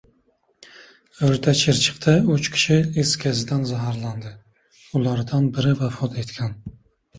O‘rta Chirchiqda uch kishi is gazidan zaharlandi. Ulardan biri vafot etgan